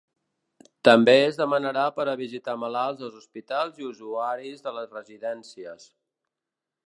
També es demanarà per a visitar malalts als hospitals i usuaris de les residències.